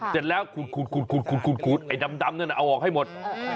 เสร็จแล้วขูดไอ้ดำนั่นเอาออกให้หมด